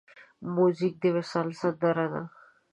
موزیک د وصال سندره ده.